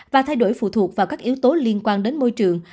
và thay đổi phụ thuộc vào các yếu tố liên quan đến môi trường